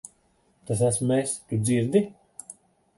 Tas esmu es. Tu dzirdi?